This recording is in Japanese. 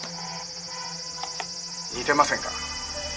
「似てませんか？」